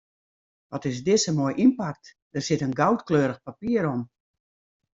Wat is dizze moai ynpakt, der sit in goudkleurich papier om.